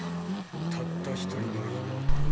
たった一人の妹だ。